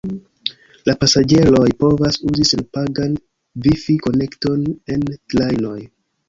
La pasaĝeroj povas uzi senpagan vifi-konekton en trajnoj.